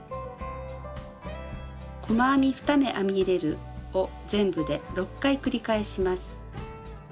細編み２目編み入れるを全部で６回繰り返します。